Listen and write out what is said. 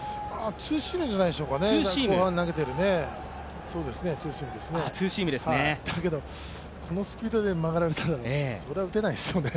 ツーシームじゃないですかね。だけどこのスピードで曲がられたら、それは打てないですよね。